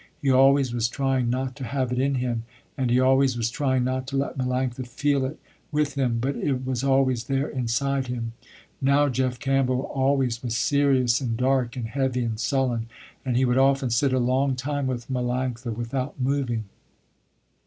He always was trying not to have it in him and he always was trying not to let Melanctha feel it, with him, but it was always there inside him. Now Jeff Campbell always was serious, and dark, and heavy, and sullen, and he would often sit a long time with Melanctha without moving.